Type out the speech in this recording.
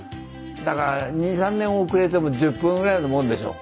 だから２３年遅れても１０分ぐらいのものでしょ？